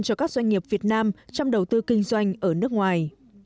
cho các doanh nghiệp việt nam trong đầu tư kinh doanh ở nước ngoài